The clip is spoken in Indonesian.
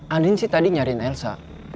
andin sih tadi nyariin elsa